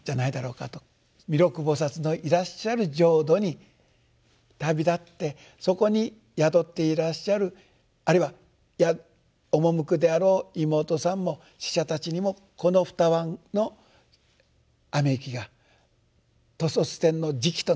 弥勒菩のいらっしゃる浄土に旅立ってそこに宿っていらっしゃるあるいは赴くであろう妹さんも死者たちにもこの二椀の雨雪が兜率天の食となると。